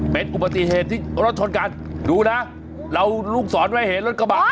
เป็นอุบัติเหตุที่รถชนกันดูนะเราลูกศรไว้เห็นรถกระบะ